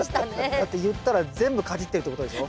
だって言ったら全部かじってるってことでしょ。